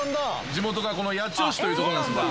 地元がこの八千代市というとこなんです私